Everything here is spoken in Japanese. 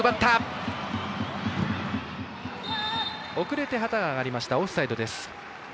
遅れて、旗が上がりましたオフサイドです。